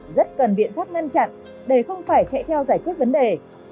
rất cần biện pháp ngăn chặn để không phải chạy theo giải quyết vấn đề